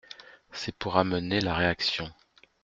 C’est pour amener la réaction…